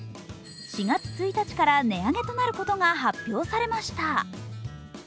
４月１日から値上げとなることが発表されました。